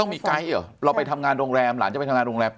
มีไกด์เหรอเราไปทำงานโรงแรมหลานจะไปทำงานโรงแรม